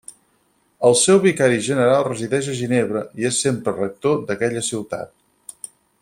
El seu vicari general resideix a Ginebra, i és sempre rector d'aquella ciutat.